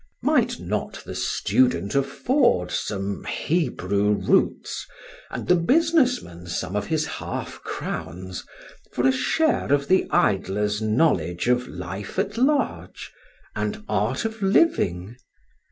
Might not the student afford some Hebrew roots, and the business man some of his half crowns, for a share of the idler's knowledge of life at large, and Art of Living?